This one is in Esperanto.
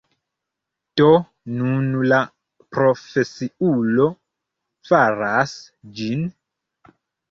Do, nun la profesiulo faras ĝin